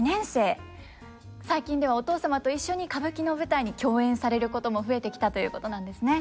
最近ではお父様と一緒に歌舞伎の舞台に共演されることも増えてきたということなんですね。